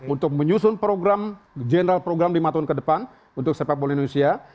untuk menyusun program general program lima tahun ke depan untuk sepak bola indonesia